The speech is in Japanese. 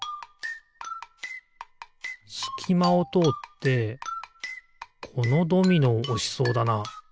すきまをとおってこのドミノをおしそうだな。